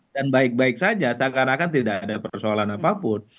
dan baik baik saja seakan akan tidak ada persoalan apapun